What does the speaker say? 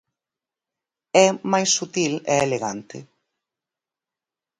É máis sutil e elegante.